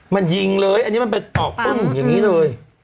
มันยิงเลยอันนี้มันไปตอกปึ้งอย่างนี้เลย